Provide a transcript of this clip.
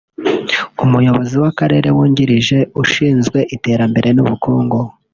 Umuyobozi w’Akarere wungirije ushinzwe iterambere n’ubukungu